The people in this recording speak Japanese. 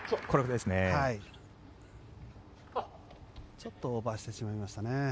ちょっとオーバーしてしまいましたね。